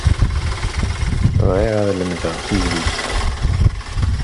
Bɣiɣ ad lemdeɣ tizlit-a.